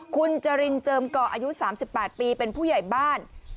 คุณจรินเจิมก่ออายุ๓๘ปีเป็นผู้ใหญ่บ้าน